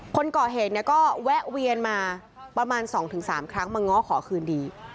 คนก่อเหตุก็แวะเวียนมาประมาณ๒๓ครั้งมาง้อขอคืนดี